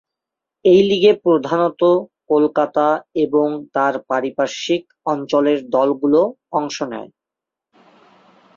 এই লিগে প্রধানতঃ কলকাতা এবং তার পারিপার্শ্বিক অঞ্চলের দলগুলো অংশ নেয়।